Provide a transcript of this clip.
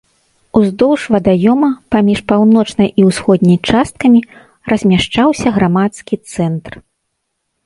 Уздоўж вадаёма, паміж паўночнай і ўсходняй часткамі, размяшчаўся грамадскі цэнтр.